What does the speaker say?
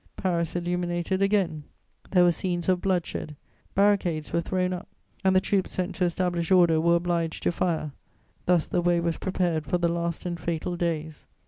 Paris illuminated again; there were scenes of bloodshed; barricades were thrown up, and the troops sent to establish order were obliged to fire: thus the way was prepared for the last and fatal days.